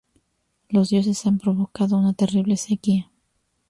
Los dioses han provocado una terrible sequía.